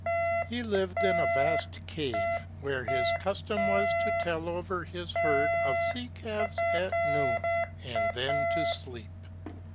He lived in a vast cave, where his custom was to tell over his herd of sea calves at noon, and then to sleep.